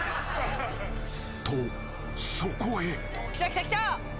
［とそこへ］